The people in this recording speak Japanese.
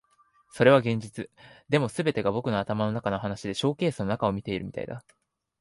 それは現実。でも、全てが僕の頭の中の話でショーケースの中を見ているみたいだ。